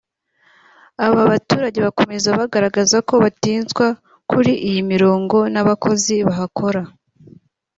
Aba baturage bakomeza bagaragaza ko batinzwa kuri iyi mirongo n’abakozi bahakora